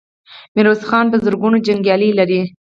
ميرويس خان په زرګونو جنګيالي لري.